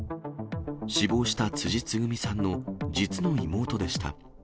死亡した辻つぐみさんの実の妹でした。